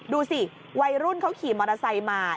ดูสิวัยรุ่นเขาขี่มอเตอร์ไซค์มา